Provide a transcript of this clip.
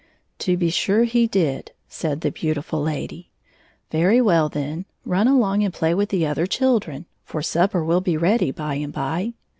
" To be sure he did," said the beautiiul lady. " Very well, then ; rmi along and play with the other children, for supper will be ready by and by."